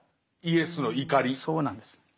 そうなんです。